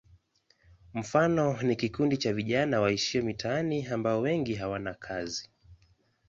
Mfano ni kikundi cha vijana waishio mitaani ambao wengi hawana kazi.